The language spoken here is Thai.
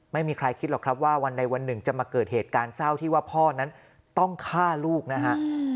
ไม่มีใครคิดหรอกครับว่าวันใดวันหนึ่งจะมาเกิดเหตุการณ์เศร้าที่ว่าพ่อนั้นต้องฆ่าลูกนะฮะ